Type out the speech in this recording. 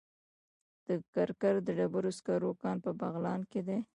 د کرکر د ډبرو سکرو کان په بغلان کې دی.